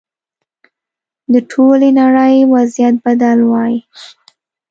د ټولې نړۍ وضعیت بدل وای.